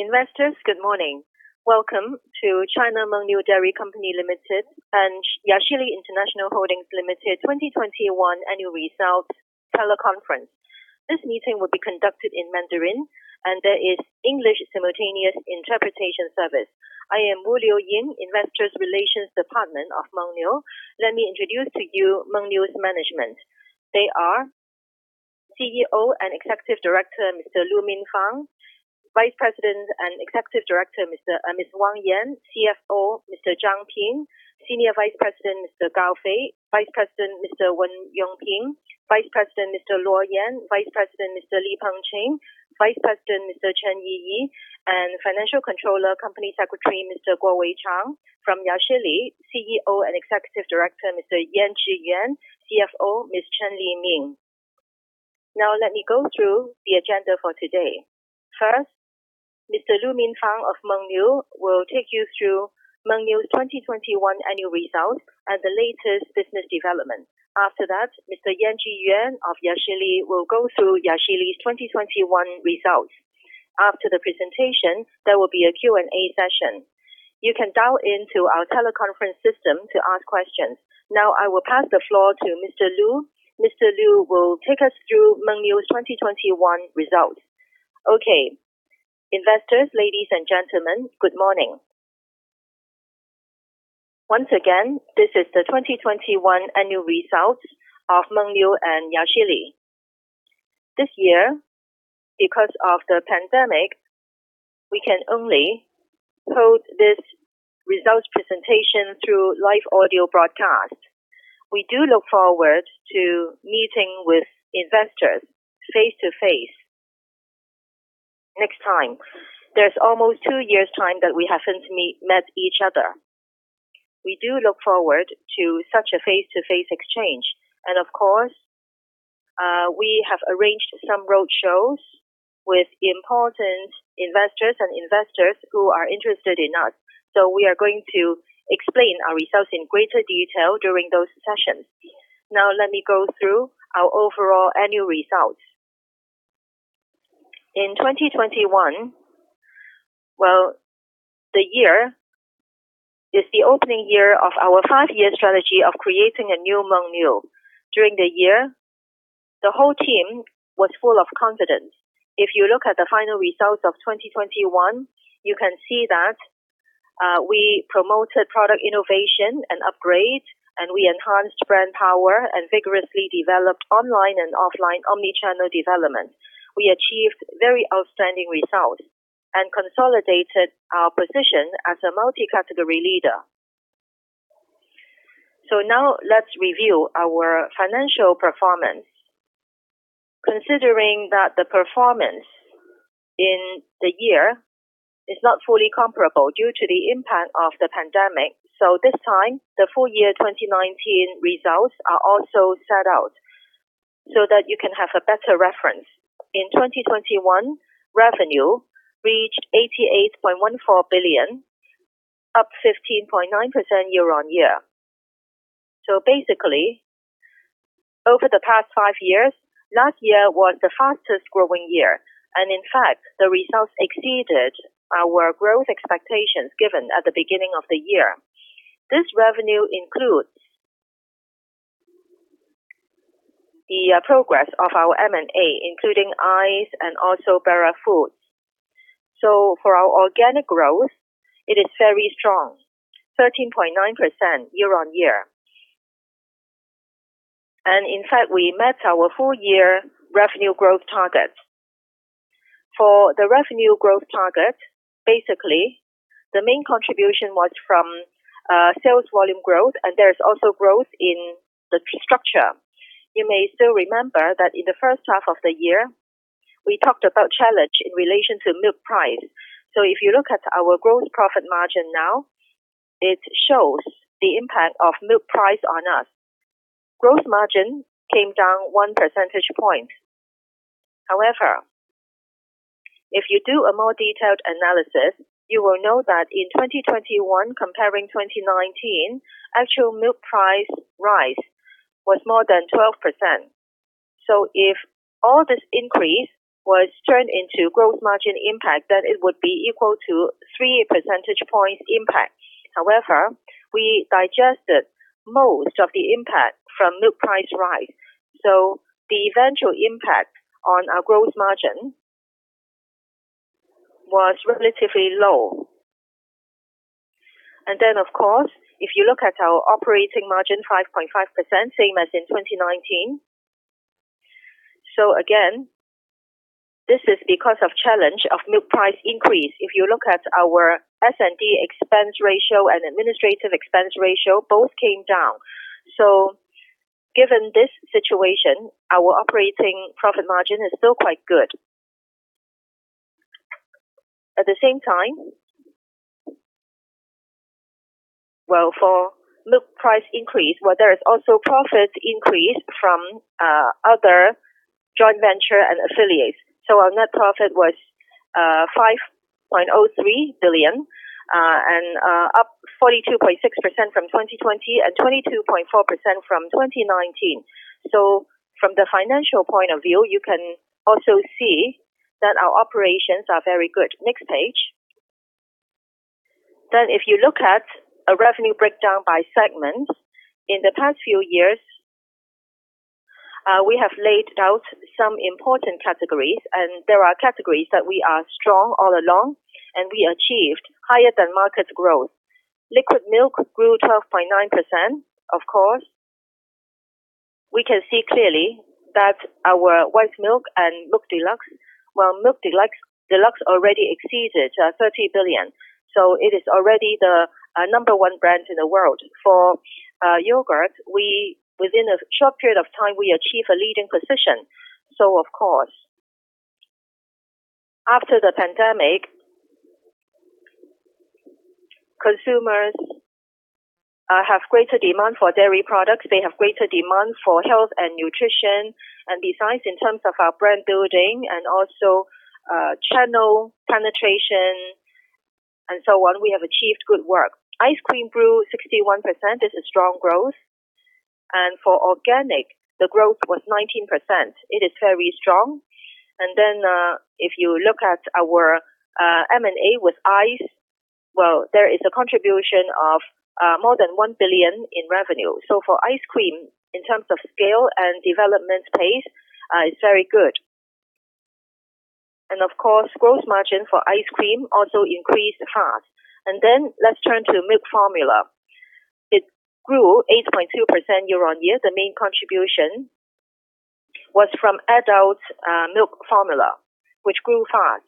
Investors, good morning. Welcome to China Mengniu Dairy Company Limited and Yashili International Holdings Limited 2021 annual results teleconference. This meeting will be conducted in Mandarin and there is English simultaneous interpretation service. I am Willow Wu, Investor Relations Department of Mengniu. Let me introduce to you Mengniu's management. They are CEO and Executive Director, Mr. Lu Minfang, Vice President and Executive Director, Ms. Wang Yan. CFO, Mr. Zhang Ping. Senior Vice President, Mr. Gao Fei. Vice President, Mr. Wen Yongping. Vice President, Mr. Luo Yan. Vice President, Mr. Li Pengcheng. Vice President, Mr. Chen Yiyi. Financial Controller, Company Secretary, Mr. Kwok Wai Cheong. From Yashili, CEO and Executive Director, Mr. Yan Zhiyuan. CFO, Ms. Chen Limin. Now let me go through the agenda for today. First, Mr. Lu Minfang of Mengniu will take you through Mengniu's 2021 annual results and the latest business development. After that, Mr. Yan Zhiyuan of Yashili will go through Yashili's 2021 results. After the presentation, there will be a Q&A session. You can dial into our teleconference system to ask questions. I will pass the floor to Mr. Lu. Mr. Lu will take us through Mengniu's 2021 results. Okay. Investors, ladies and gentlemen, good morning. Once again, this is the 2021 annual results of Mengniu and Yashili. This year, because of the pandemic, we can only hold this results presentation through live audio broadcast. We do look forward to meeting with investors face-to-face next time. There's almost two years' time that we haven't met each other. We do look forward to such a face-to-face exchange. Of course, we have arranged some roadshows with important investors and investors who are interested in us. We are going to explain our results in greater detail during those sessions. Now let me go through our overall annual results. In 2021, well, the year is the opening year of our five-year strategy of creating a new Mengniu. During the year, the whole team was full of confidence. If you look at the final results of 2021, you can see that we promoted product innovation and upgrade, and we enhanced brand power and vigorously developed online and offline omni-channel development. We achieved very outstanding results and consolidated our position as a multi-category leader. Now let's review our financial performance. Considering that the performance in the year is not fully comparable due to the impact of the pandemic, this time the full year 2019 results are also set out so that you can have a better reference. In 2021, revenue reached 88.14 billion, up 15.9% year-on-year. Basically, over the past five years, last year was the fastest growing year. In fact, the results exceeded our growth expectations given at the beginning of the year. This revenue includes the progress of our M&A, including Aice and also Bellamy's Organic. For our organic growth, it is very strong, 13.9% year-on-year. In fact, we met our full year revenue growth target. For the revenue growth target, basically, the main contribution was from sales volume growth, and there's also growth in the structure. You may still remember that in the first half of the year, we talked about challenge in relation to milk price. If you look at our gross profit margin now, it shows the impact of milk price on us. Gross margin came down 1 percentage point. However, if you do a more detailed analysis, you will know that in 2021 comparing 2019, actual milk price rise was more than 12%. If all this increase was turned into gross margin impact, then it would be equal to 3 percentage points impact. However, we digested most of the impact from milk price rise. The eventual impact on our gross margin was relatively low. Of course, if you look at our operating margin, 5.5%, same as in 2019. Again, this is because of challenge of milk price increase. If you look at our S&D expense ratio and administrative expense ratio, both came down. Given this situation, our operating profit margin is still quite good. At the same time, for milk price increase, there is also profit increase from other joint venture and affiliates. Our net profit was 5.03 billion, up 42.6% from 2020 and 22.4% from 2019. From the financial point of view, you can also see that our operations are very good. Next page. If you look at a revenue breakdown by segment. In the past few years, we have laid out some important categories, and there are categories that we are strong all along, and we achieved higher than market growth. Liquid milk grew 12.9%. Of course, we can see clearly that our White Milk and Milk Deluxe. Well, Milk Deluxe already exceeded 30 billion, so it is already the number one brand in the world. For yogurt, we within a short period of time, we achieve a leading position. Of course, after the pandemic, consumers have greater demand for dairy products. They have greater demand for health and nutrition. Besides, in terms of our brand building and also channel penetration and so on, we have achieved good work. Ice cream grew 61%. This is strong growth. For organic, the growth was 19%. It is very strong. If you look at our M&A with Aice, well, there is a contribution of more than 1 billion in revenue. For ice cream, in terms of scale and development pace, it's very good. Of course, gross margin for ice cream also increased fast. Let's turn to milk formula. It grew 8.2% year on year. The main contribution was from adult milk formula, which grew fast.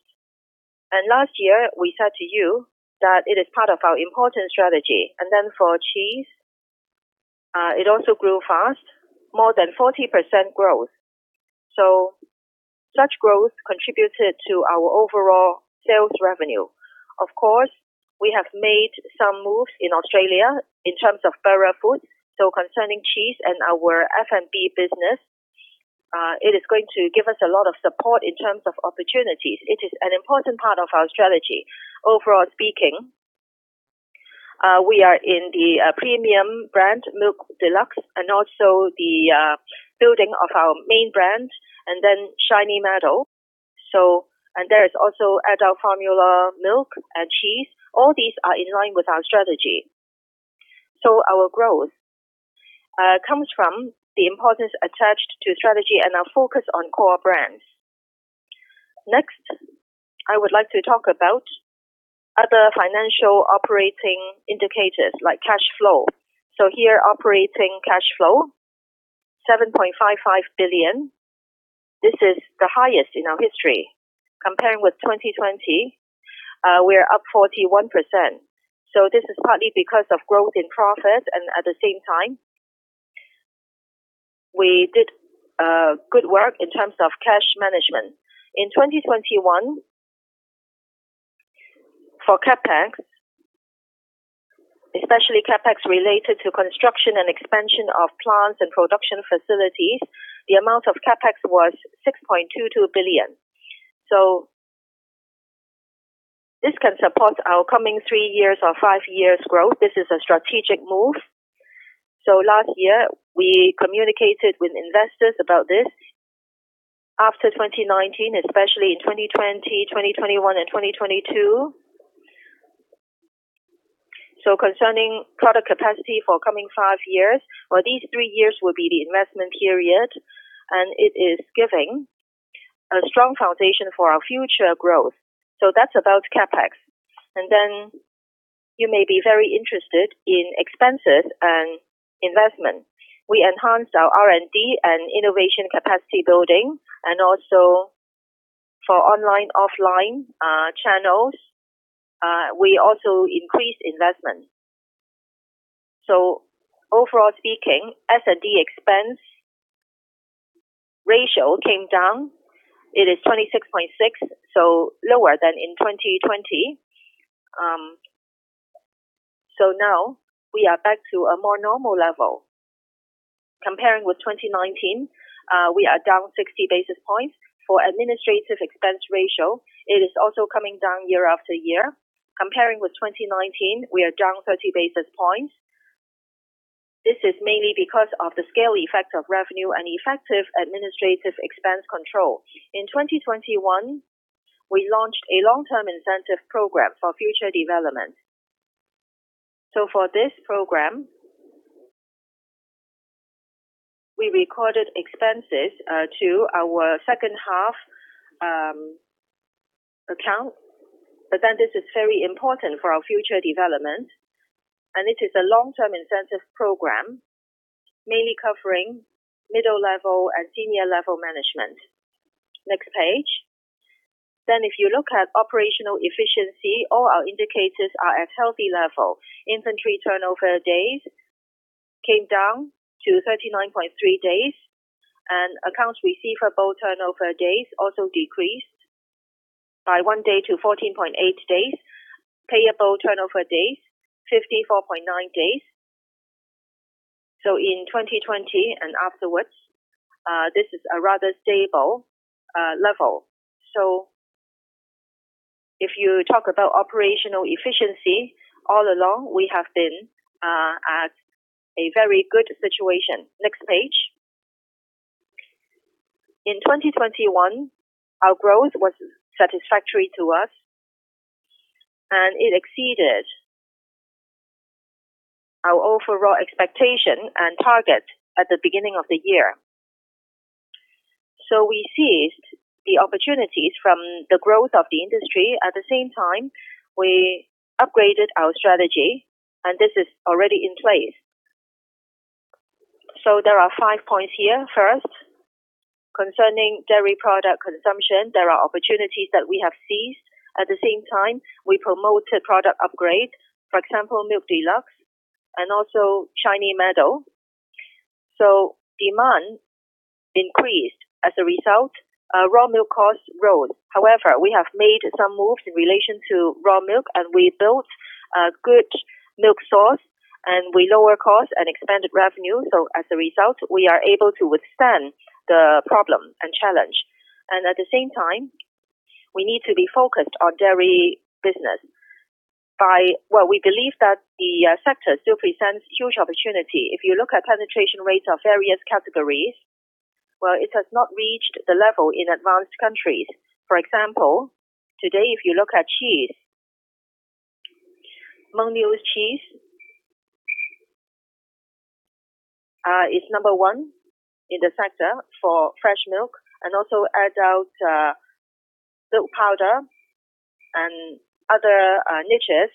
Last year, we said to you that it is part of our important strategy. For cheese, it also grew fast, more than 40% growth. Such growth contributed to our overall sales revenue. Of course, we have made some moves in Australia in terms of Bellamy's Organic, so concerning cheese and our F&B business, it is going to give us a lot of support in terms of opportunities. It is an important part of our strategy. Overall speaking, we are in the premium brand Milk Deluxe and also the building of our main brand and then Shiny Meadow. There is also adult formula milk and cheese. All these are in line with our strategy. Our growth comes from the importance attached to strategy and our focus on core brands. Next, I would like to talk about other financial operating indicators like cash flow. Here operating cash flow, 7.55 billion. This is the highest in our history. Comparing with 2020, we are up 41%. This is partly because of growth in profit and at the same time, we did good work in terms of cash management. In 2021, for CapEx, especially CapEx related to construction and expansion of plants and production facilities, the amount of CapEx was 6.22 billion. This can support our coming three years or five years growth. This is a strategic move. Last year, we communicated with investors about this. After 2019 and especially in 2020, 2021 and 2022. Concerning product capacity for coming five years or these three years will be the investment period, and it is giving a strong foundation for our future growth. That's about CapEx. You may be very interested in expenses and investment. We enhanced our R&D and innovation capacity building and also for online, offline, channels, we also increased investment. Overall speaking, S&D expense ratio came down. It is 26.6%, lower than in 2020. Now we are back to a more normal level. Comparing with 2019, we are down 60 basis points. For administrative expense ratio, it is also coming down year after year. Comparing with 2019, we are down 30 basis points. This is mainly because of the scale effect of revenue and effective administrative expense control. In 2021, we launched a long-term incentive program for future development. For this program, we recorded expenses to our second half account. This is very important for our future development, and it is a long-term incentive program, mainly covering middle level and senior level management. Next page. If you look at operational efficiency, all our indicators are at healthy level. Inventory turnover days came down to 39.3 days. Accounts receivable turnover days also decreased by one day to 14.8 days. Payable turnover days, 54.9 days. In 2020 and afterwards, this is a rather stable level. If you talk about operational efficiency, all along we have been at a very good situation. Next page. In 2021, our growth was satisfactory to us, and it exceeded our overall expectation and target at the beginning of the year. We seized the opportunities from the growth of the industry. At the same time, we upgraded our strategy, and this is already in place. There are five points here. First, concerning dairy product consumption, there are opportunities that we have seized. At the same time, we promoted product upgrade, for example, Milk Deluxe and also Shiny Meadow. Demand increased. As a result, raw milk costs rose. However, we have made some moves in relation to raw milk, and we built a good milk source, and we lower cost and expanded revenue. As a result, we are able to withstand the problem and challenge. At the same time, we need to be focused on dairy business. We believe that the sector still presents huge opportunity. If you look at penetration rates of various categories, well, it has not reached the level in advanced countries. For example, today if you look at cheese, Mengniu's cheese is number one in the sector for fresh milk and also adult milk powder and other niches.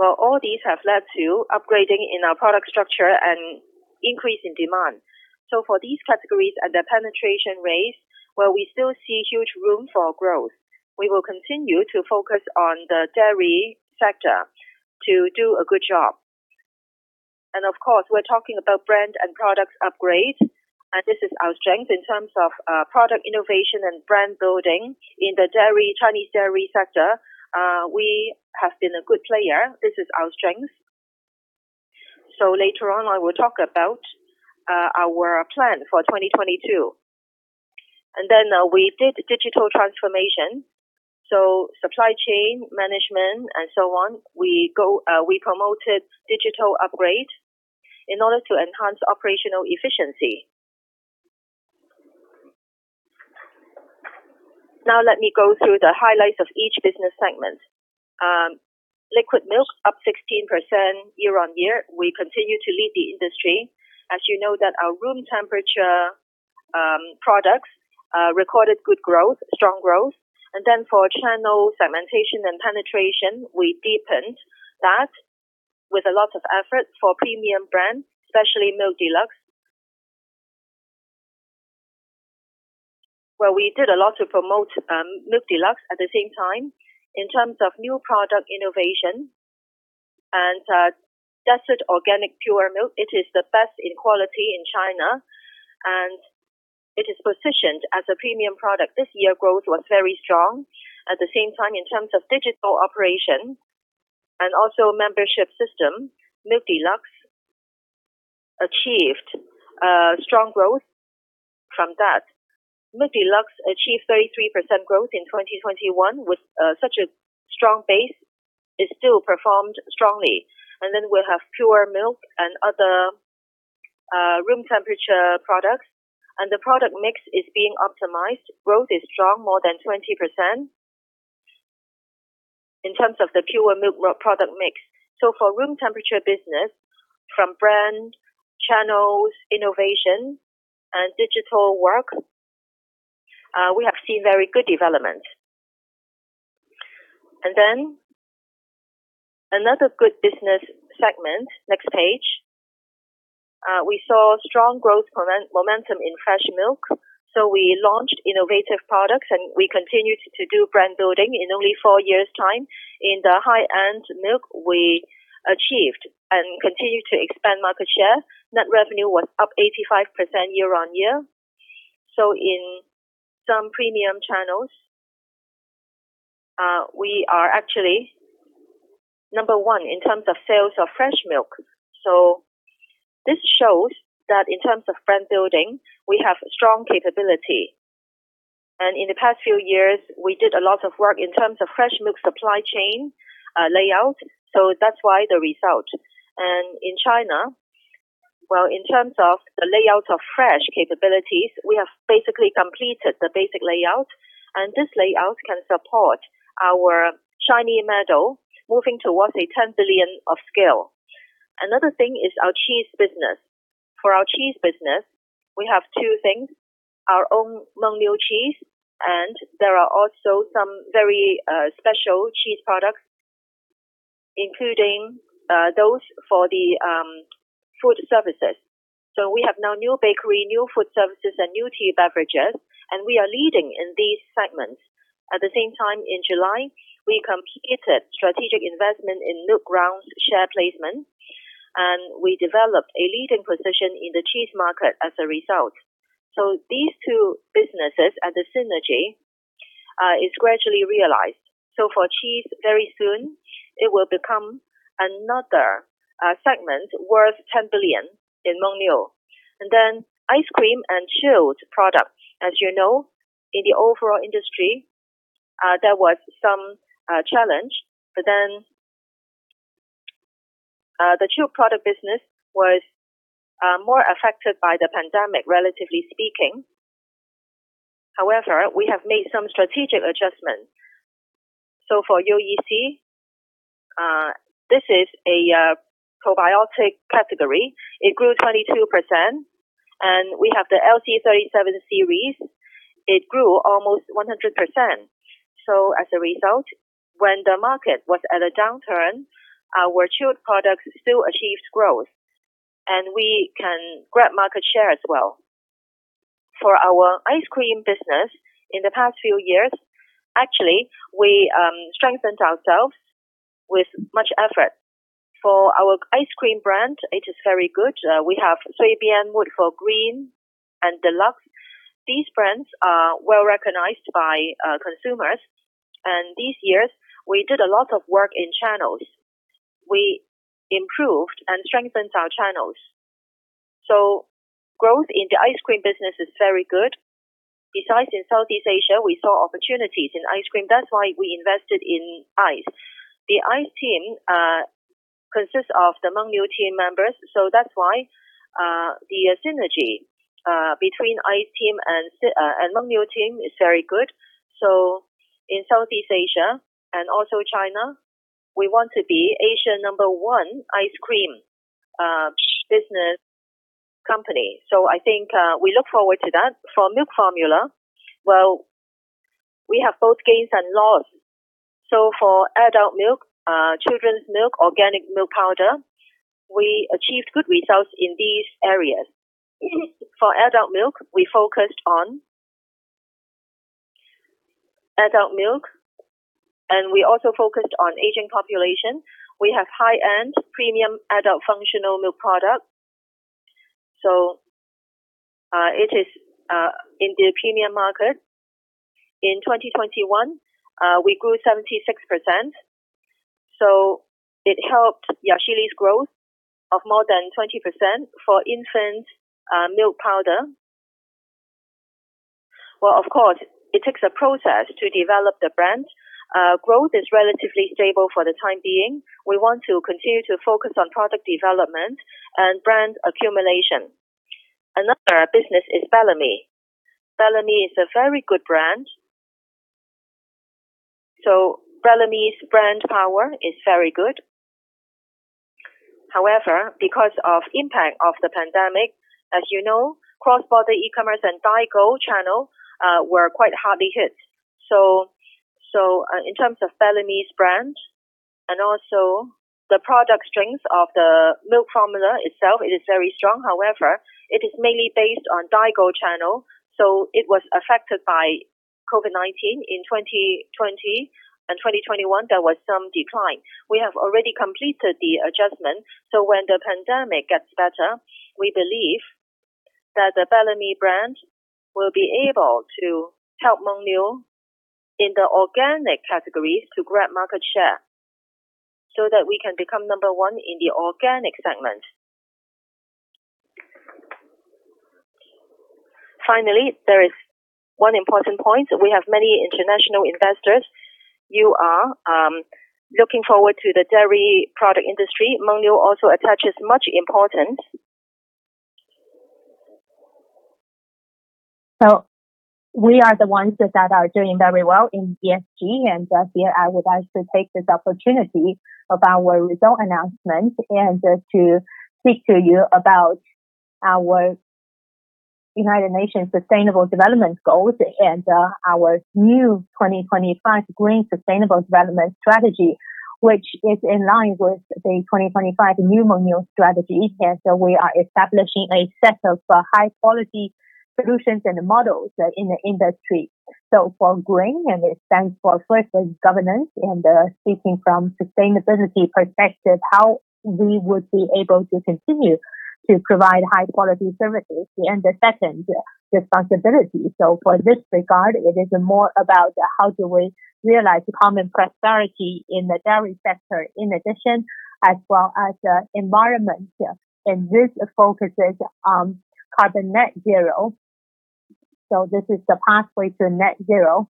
All these have led to upgrading in our product structure and increase in demand. For these categories and their penetration rates, well, we still see huge room for growth. We will continue to focus on the dairy sector to do a good job. Of course, we're talking about brand and product upgrade, and this is our strength. In terms of product innovation and brand building in the dairy, Chinese dairy sector, we have been a good player. This is our strength. Later on I will talk about our plan for 2022. We did digital transformation, supply chain management and so on. We promoted digital upgrade in order to enhance operational efficiency. Now let me go through the highlights of each business segment. Liquid milk up 16% year on year. We continue to lead the industry. As you know that our room temperature products recorded good growth, strong growth. For channel segmentation and penetration, we deepened that with a lot of effort for premium brands, especially Milk Deluxe. We did a lot to promote Milk Deluxe at the same time. In terms of new product innovation and Desert Organic Pure Milk, it is the best in quality in China, and it is positioned as a premium product. This year, growth was very strong. At the same time, in terms of digital operation and also membership system, Milk Deluxe achieved strong growth from that. Milk Deluxe achieved 33% growth in 2021. With such a strong base, it still performed strongly. We have pure milk and other room temperature products, and the product mix is being optimized. Growth is strong, more than 20% in terms of the pure milk product mix. For room temperature business, from brand, channels, innovation and digital work, we have seen very good development. Another good business segment, next page. We saw strong growth momentum in fresh milk, we launched innovative products, we continued to do brand building. In only four years in the high-end milk, we achieved and continued to expand market share. Net revenue was up 85% year-on-year. In some premium channels, we are actually number one in terms of sales of fresh milk. In the past few years, we did a lot of work in terms of fresh milk supply chain layout, that's why the result. In China, well, in terms of the layout of fresh capabilities, we have basically completed the basic layout, and this layout can support our Shiny Meadow moving towards a 10 billion of scale. Another thing is our cheese business. For our cheese business, we have two things, our own Mengniu cheese, and there are also some very special cheese products, including those for the food services. We have now new bakery, new food services, and new tea beverages, and we are leading in these segments. At the same time, in July, we completed strategic investment in Milkground's share placement. We developed a leading position in the cheese market as a result. These two businesses and the synergy is gradually realized. For cheese, very soon it will become another segment worth 10 billion in Mengniu. Ice cream and chilled products. As you know, in the overall industry, there was some challenge. The chilled product business was more affected by the pandemic, relatively speaking. However, we have made some strategic adjustments. For YoyiC, this is a probiotic category. It grew 22%. We have the LC-37 series. It grew almost 100%. As a result, when the market was at a downturn, our chilled products still achieved growth. We can grab market share as well. For our ice cream business in the past few years, actually, we strengthened ourselves with much effort. For our ice cream brand, it is very good. We have Suibian, Mood for Green and Deluxe. These brands are well recognized by consumers. These years we did a lot of work in channels. We improved and strengthened our channels. Growth in the ice cream business is very good. Besides in Southeast Asia, we saw opportunities in ice cream. That's why we invested in Aice. The Aice team consists of the Mengniu team members, so that's why the synergy between Aice team and Mengniu team is very good. In Southeast Asia and also China, we want to be Asia number one ice cream business company. I think we look forward to that. For milk formula, well, we have both gains and loss. For adult milk, children's milk, organic milk powder, we achieved good results in these areas. For adult milk, we focused on adult milk, and we also focused on aging population. We have high-end premium adult functional milk product. It is in the premium market. In 2021, we grew 76%, it helped Yashili's growth of more than 20%. For infant, milk powder. Well, of course it takes a process to develop the brand. Growth is relatively stable for the time being. We want to continue to focus on product development and brand accumulation. Another business is Bellamy's. Bellamy's is a very good brand. Bellamy's brand power is very good. However, because of impact of the pandemic, as you know, cross-border e-commerce and Daigou channel were quite hardly hit. In terms of Bellamy's brand and also the product strength of the milk formula itself, it is very strong. However, it is mainly based on Daigou channel, so it was affected by COVID-19. In 2020 and 2021, there was some decline. We have already completed the adjustment, so when the pandemic gets better, we believe that the Bellamy brand will be able to help Mengniu in the organic categories to grab market share so that we can become number 1 in the organic segment. There is one important point. We have many international investors. You are looking forward to the dairy product industry. Mengniu also attaches much important. We are the ones that are doing very well in ESG. Just here I would like to take this opportunity of our result announcement to speak to you about our United Nations Sustainable Development Goals and our new 2025 green sustainable development strategy, which is in line with the 2025 new Mengniu strategy. We are establishing a set of high quality solutions and models in the industry. For GREEN, and it stands for first is governance, speaking from sustainability perspective, how we would be able to continue to provide high quality services. The second, responsibility. For this regard, it is more about how do we realize common prosperity in the dairy sector. In addition, as well as environment. This focuses on carbon net zero. This is the pathway to net zero.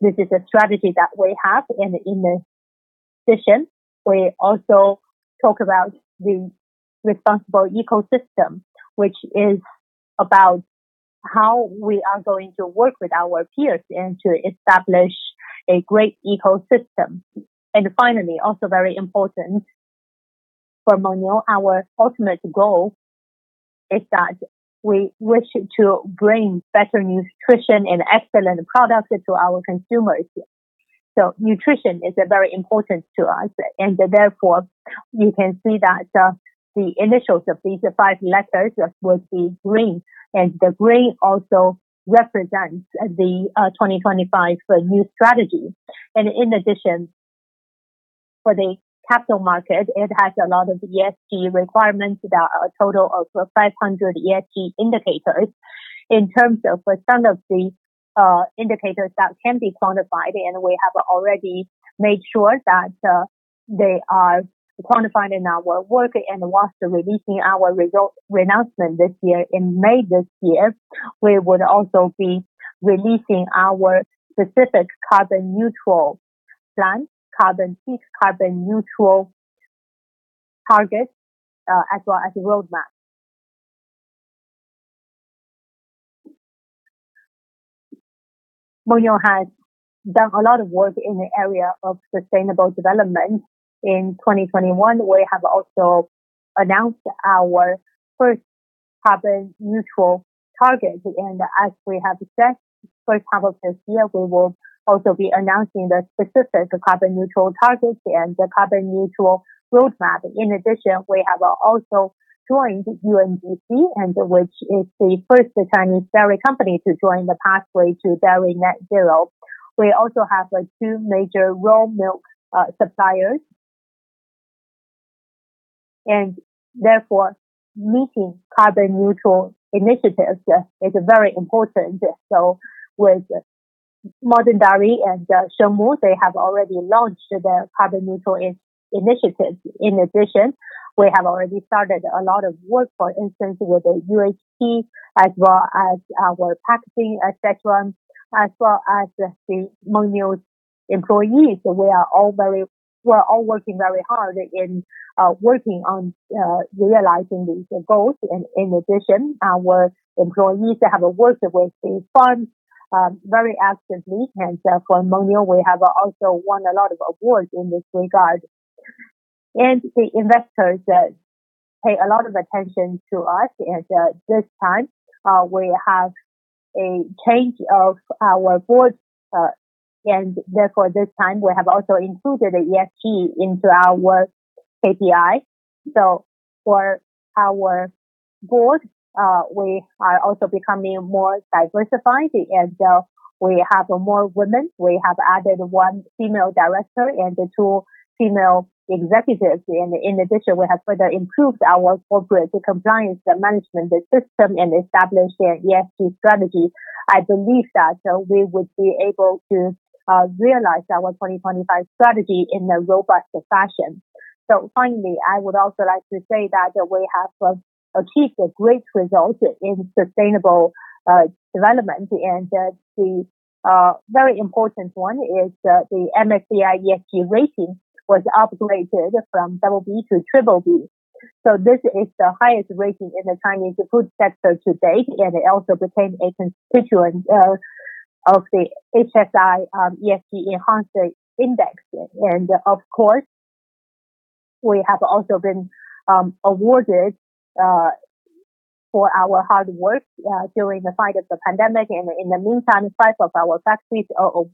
This is a strategy that we have. In addition, we also talk about the responsible ecosystem, which is about how we are going to work with our peers and to establish a great ecosystem. Finally, also very important for Mengniu, our ultimate goal is that we wish to bring better nutrition and excellent products to our consumers. Nutrition is very important to us and therefore you can see that the initials of these five letters would be GREEN, and the GREEN also represents the 2025 new strategy. In addition. For the capital market, it has a lot of ESG requirements. There are a total of 500 ESG indicators. In terms of some of the indicators that can be quantified, we have already made sure that they are quantified in our work. Whilst releasing our result announcement this year, in May this year, we would also be releasing our specific carbon neutral plan, carbon peak, carbon neutral targets, as well as a roadmap. Mengniu has done a lot of work in the area of sustainable development. In 2021, we have also announced our first carbon neutral target. As we have said, first half of this year, we will also be announcing the specific carbon neutral targets and the carbon neutral roadmap. We have also joined UNGC, which is the first Chinese dairy company to join the Pathway to Dairy Net Zero. We also have, like, two major raw milk suppliers. Meeting carbon neutral initiatives is very important. With Modern Dairy and Shengmu, they have already launched their carbon neutral initiative. We have already started a lot of work, for instance, with the UHT as well as our packaging, et cetera, as well as the Mengniu employees. We are all working very hard in working on realizing these goals. In addition, our employees have worked with the farm very actively. At Mengniu, we have also won a lot of awards in this regard. The investors pay a lot of attention to us. This time, we have a change of our board, and therefore, this time, we have also included ESG into our KPI. For our board, we are also becoming more diversified, and we have more women. We have added one female director and two female executives. In addition, we have further improved our corporate compliance management system and established an ESG strategy. I believe that we would be able to realize our 2025 strategy in a robust fashion. Finally, I would also like to say that we have achieved great results in sustainable development. The very important one is the MSCI ESG rating was upgraded from double B to triple B. This is the highest rating in the Chinese food sector to date, and it also became a constituent of the HSI ESG Enhanced Index. Of course, we have also been awarded for our hard work during the fight of the pandemic. In the meantime, five of our factories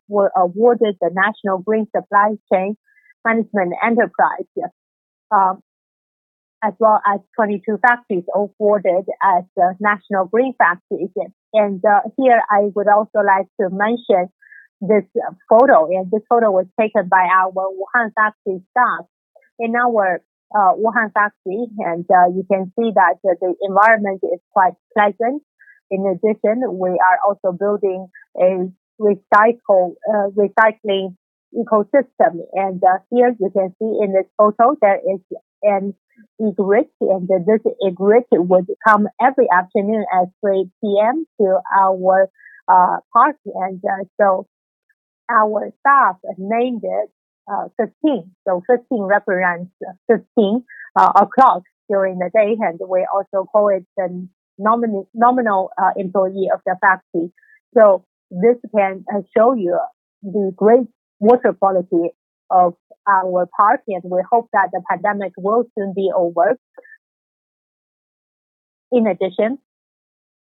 were awarded the National Green Supply Chain Management Enterprise, as well as 22 factories awarded as National Green Factories. Here, I would also like to mention this photo. This photo was taken by our Wuhan factory staff in our Wuhan factory. You can see that the environment is quite pleasant. In addition, we are also building a recycling ecosystem. Here you can see in this photo, there is an egret. This egret would come every afternoon at 3:00 P.M. to our park. So our staff named it, Fifteen. Fifteen represents 15 o'clock during the day, and we also call it the nominal employee of the factory. This can show you the great water quality of our park, and we hope that the pandemic will soon be over. In addition,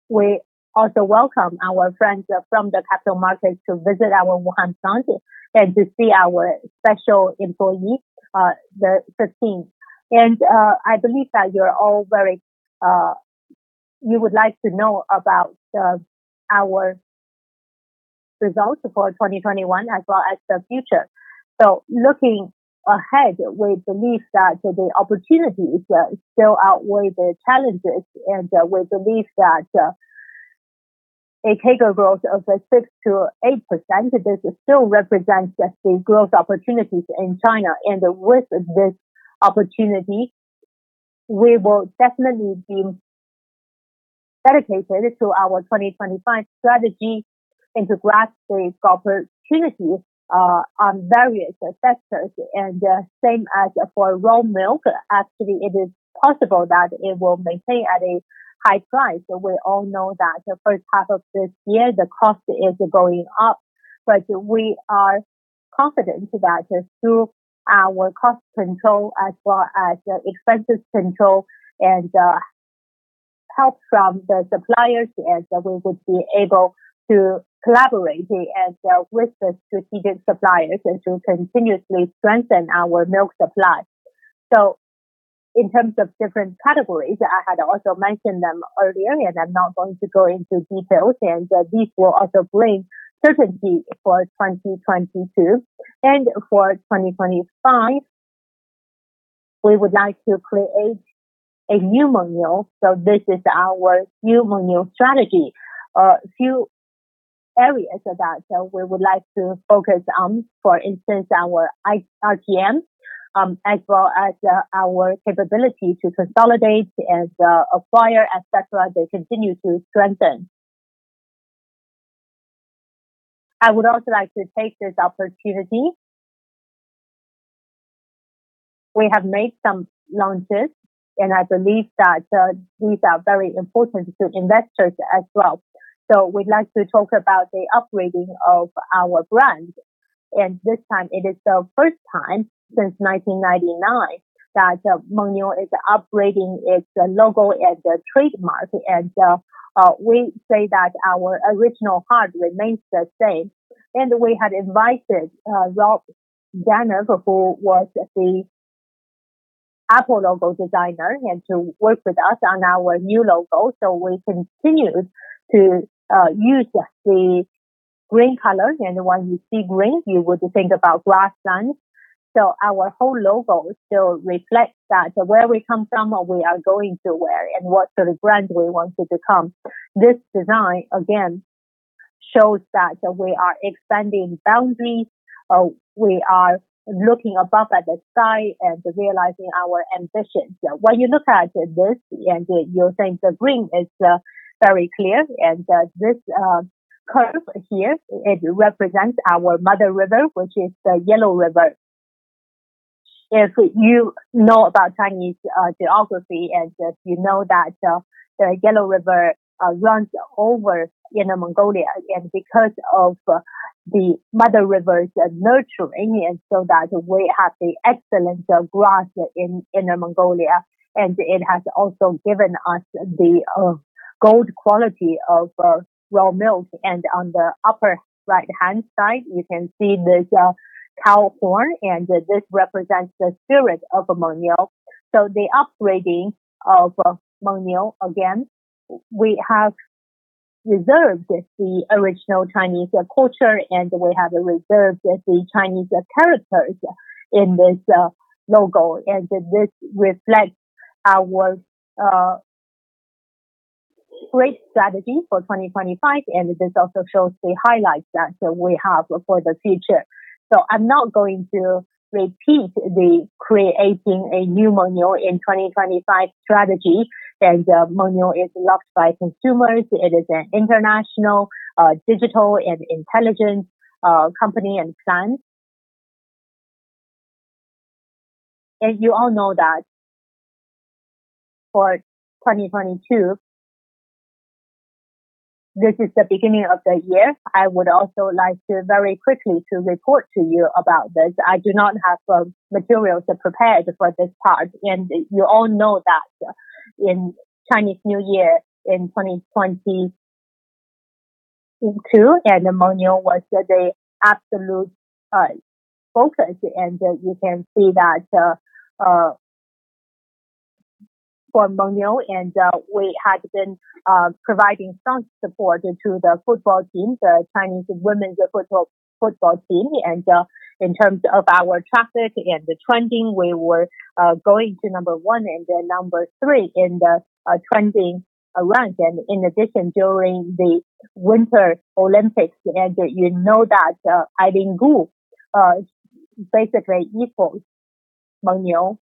we also welcome our friends from the capital markets to visit our Wuhan factory and to see our special employee, the Fifteen. I believe that you're all very. You would like to know about our results for 2021 as well as the future. Looking ahead, we believe that the opportunities still outweigh the challenges. We believe that a CAGR growth of 6%-8%, this still represents the growth opportunities in China. With this opportunity, we will definitely be dedicated to our 2025 strategy and to grasp these opportunities on various sectors. Same as for raw milk, actually, it is possible that it will maintain at a high price. We all know that the first half of this year, the cost is going up. We are confident that through our cost control as well as expenses control and help from the suppliers, and we would be able to collaborate, and with the strategic suppliers, and to continuously strengthen our milk supply. In terms of different categories, I had also mentioned them earlier, and I'm not going to go into details, and these will also bring certainty for 2022. For 2025, we would like to create a new Mengniu. This is our new Mengniu strategy. A few areas of that we would like to focus on, for instance, our RTM, as well as our capability to consolidate as a buyer, et cetera. They continue to strengthen. I would also like to take this opportunity. We have made some launches. I believe that these are very important to investors as well. We'd like to talk about the upgrading of our brand. This time it is the first time since 1999 that Mengniu is upgrading its logo and the trademark. We say that our original heart remains the same. We had invited Rob Janoff, who was the Apple logo designer, and to work with us on our new logo. We continued to use the green color, and when you see green, you would think about grassland. Our whole logo still reflects that, where we come from or we are going to where, and what sort of brand we want to become. This design, again, shows that we are expanding boundaries, we are looking above at the sky and realizing our ambitions. When you look at this and you think the green is very clear, and this curve here, it represents our mother river, which is the Yellow River. If you know about Chinese geography, and you know that the Yellow River runs over Inner Mongolia. Because of the mother river's nurturing, and so that we have the excellent grass in Inner Mongolia, and it has also given us the gold quality of raw milk. On the upper right-hand side, you can see this cow horn, this represents the spirit of Mengniu. The upgrading of Mengniu, again, we have reserved the original Chinese culture, we have reserved the Chinese characters in this logo, this reflects our great strategy for 2025, this also shows the highlights that we have for the future. I'm now going to repeat the creating a new Mengniu in 2025 strategy. Mengniu is loved by consumers. It is an international, digital and intelligent company and brand. You all know that for 2022, this is the beginning of the year. I would also like to very quickly to report to you about this. I do not have materials prepared for this part. You all know that in Chinese New Year in 2022, Mengniu was the absolute focus. You can see that for Mengniu, we had been providing strong support to the football team, the Chinese women's football team. In terms of our traffic and the trending, we were going to number 1 and number 3 in the trending rank. In addition, during the Winter Olympics, you know that Eileen Gu basically equals Mengniu.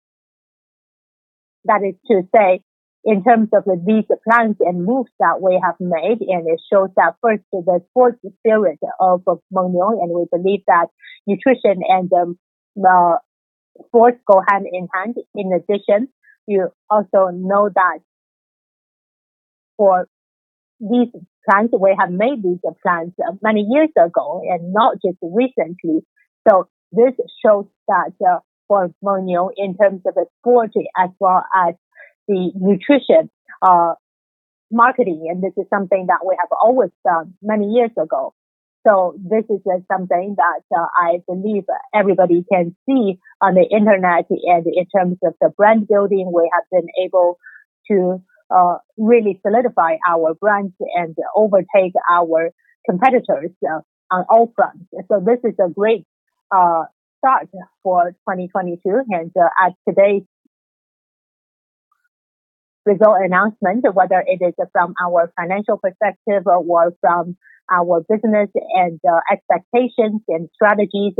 That is to say, in terms of these plans and moves that we have made, it shows that first is the sports spirit of Mengniu, and we believe that nutrition and sports go hand in hand. In addition, you also know that for these plans, we have made these plans many years ago and not just recently. This shows that for Mengniu, in terms of the sports as well as the nutrition marketing, this is something that we have always done many years ago. This is something that I believe everybody can see on the internet. In terms of the brand building, we have been able to really solidify our brand and overtake our competitors on all fronts. This is a great start for 2022. At today's result announcement, whether it is from our financial perspective or from our business and expectations and strategies,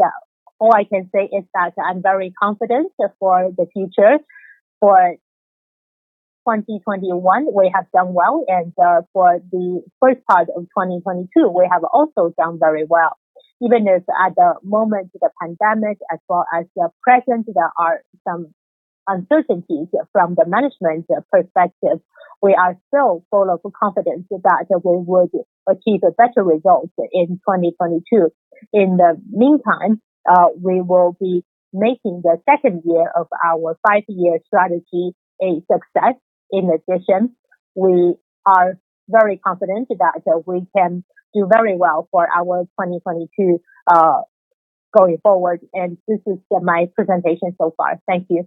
all I can say is that I'm very confident for the future. For 2021, we have done well. For the first part of 2022, we have also done very well. Even if at the moment, the pandemic as well as the present, there are some uncertainties from the management perspective. We are still full of confidence that we will achieve better results in 2022. In the meantime, we will be making the second year of our five-year strategy a success. In addition, we are very confident that we can do very well for our 2022 going forward. This is my presentation so far. Thank you.